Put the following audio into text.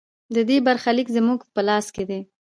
د دې برخلیک زموږ په لاس کې دی